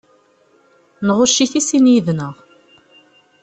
Nɣucc-it i sin yid-nneɣ.